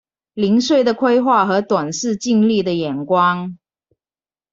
零碎的規畫和短視近利的眼光